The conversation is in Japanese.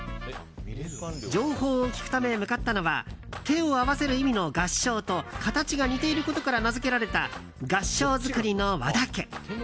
情報を聞くため向かったのは手を合わせる意味の合掌と形が似ていることから名付けられた合掌造りの和田家。